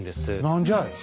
何じゃい。